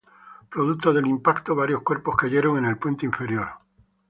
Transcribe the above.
Producto del impacto, varios cuerpos cayeron en el puente inferior.